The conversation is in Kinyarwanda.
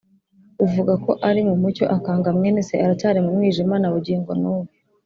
Uvuga ko ari mu mucyo akanga mwene Se, aracyari mu mwijima na bugingo n’ubu.